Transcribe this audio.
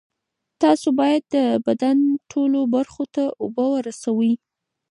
تاسو باید د بدن ټولو برخو ته اوبه ورسوي.